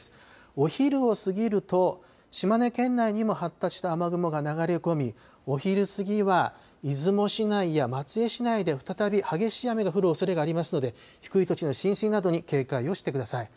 お昼を過ぎると島根県内にも発達した雨雲が流れ込みお昼過ぎは出雲市内や松江市内で再び激しい雨の降るおそれがありますので低い土地の浸水などに警戒をしてください。